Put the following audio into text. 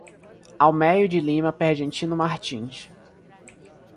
Almerio de Lima Pergentino Martins